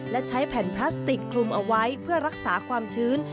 และใช้แผ่นพลาสติกคลุมเอาไว้เพื่อรักษาความชื้น